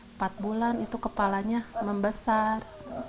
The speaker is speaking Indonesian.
empat bulan itu kepalanya membesar